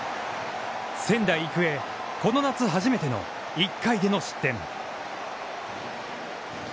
仙台育英、この夏初めての１回での失点。